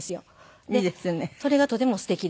それがとてもすてきで。